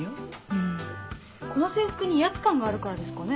うんこの制服に威圧感があるからですかね。